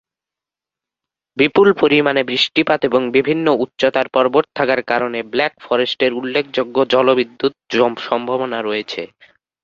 বিপুল পরিমাণে বৃষ্টিপাত এবং বিভিন্ন উচ্চতার পর্বত থাকার কারণে ব্ল্যাক ফরেস্টের উল্লেখযোগ্য জলবিদ্যুৎ সম্ভাবনা রয়েছে।